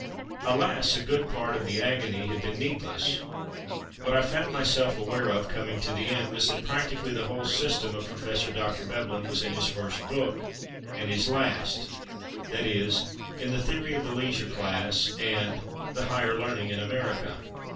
Alas, a good part of the agony had been needless. What I found myself aware of, coming to the end, was that practically the whole system of Prof. Dr. Veblen was in his first book and his last—that is, in "The Theory of the Leisure Class," and "The Higher Learning in America."